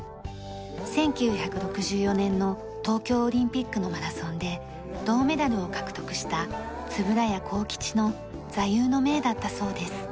１９６４年の東京オリンピックのマラソンで銅メダルを獲得した円谷幸吉の座右の銘だったそうです。